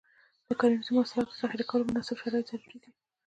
د کرنیزو محصولاتو د ذخیره کولو مناسب شرایط ضروري دي.